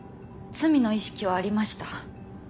罪の意識はありました。